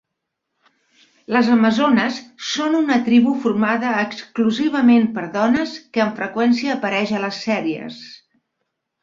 Les amazones són una tribu formada exclusivament per dones que amb freqüència apareix a les sèries.